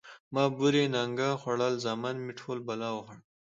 ـ ما بورې نانګه خوړل، زامن مې ټول بلا وخوړل.